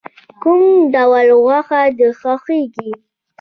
کوم ډول غوښه د خوښیږی؟